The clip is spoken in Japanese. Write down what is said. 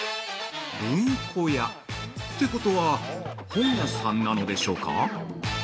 「文庫屋」ってことは、本屋さんなのでしょうか。